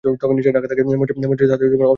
মঞ্জরী তাহাতে অসন্তুষ্ট হইত না।